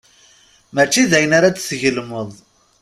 Mačči dayen ara d-tgelmeḍ.